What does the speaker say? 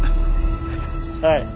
はい。